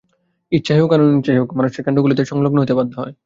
ইচ্ছায় হউক আর অনিচ্ছায় হউক, মানুষের মন ঐ কেন্দ্রগুলিতে সংলগ্ন হইতে বাধ্য হয়।